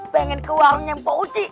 pengen ke warungnya mpauci